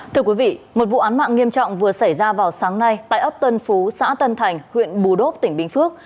thưa quý vị một vụ án mạng nghiêm trọng vừa xảy ra vào sáng nay tại ấp tân phú xã tân thành huyện bù đốp tỉnh bình phước